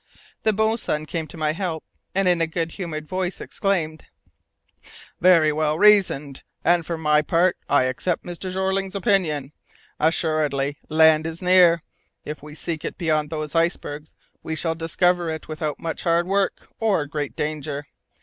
The boatswain came to my help, and in a good humoured voice exclaimed, "Very well reasoned, and for my part I accept Mr. Jeorling's opinion. Assuredly, land is near! If we seek it beyond those icebergs, we shall discover it without much hard work, or great danger!